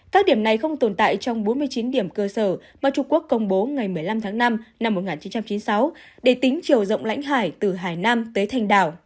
các điểm này không tồn tại trong bốn mươi chín điểm cơ sở mà trung quốc công bố ngày một mươi năm tháng năm năm một nghìn chín trăm chín mươi sáu để tính chiều rộng lãnh hải từ hải nam tới thành đảo